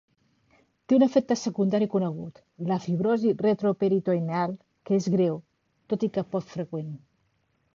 Té un efecte secundari conegut, la fibrosi retroperitoneal, que és greu, tot i que poc freqüent.